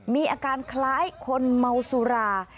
มีอาการคล้ายคนเมาสุรา